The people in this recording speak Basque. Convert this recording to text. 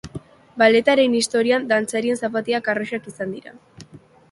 Balletaren historian, dantzarien zapatilak arrosak izan dira.